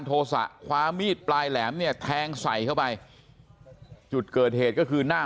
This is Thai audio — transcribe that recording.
โทษะคว้ามีดปลายแหลมเนี่ยแทงใส่เข้าไปจุดเกิดเหตุก็คือหน้า